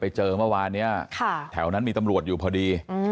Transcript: เจอเมื่อวานนี้แถวนั้นมีตำรวจอยู่พอดี